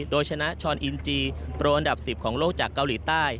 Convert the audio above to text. โดยชนะชอนอินจีโปรอันดับ๑๐ของโลกจากเกาหลีใต้